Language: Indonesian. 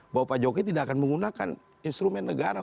bahwa pak jokowi tidak akan menggunakan instrumen negara